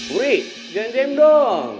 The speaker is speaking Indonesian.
wuri ganjem dong